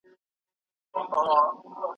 تر څو چې محتاج یو ازاد نه یو.